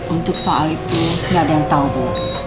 untuk soal itu nggak ada yang tahu bu